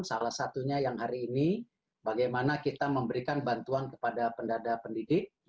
salah satunya yang hari ini bagaimana kita memberikan bantuan kepada pendada pendidik